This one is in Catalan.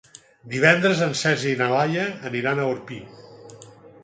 Divendres en Sergi i na Laia aniran a Orpí.